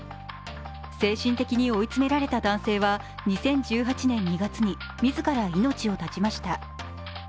精神的に追い詰められた男性は、２０１８年２月に自ら命を絶ちました。